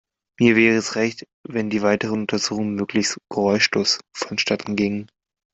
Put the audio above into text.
Mir wäre es recht, wenn die weiteren Untersuchungen möglichst geräuschlos vonstatten gingen.